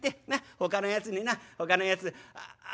ほかのやつになほかのやつあ